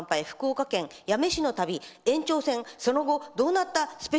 福岡県八女市の旅延長戦その後どうなった！？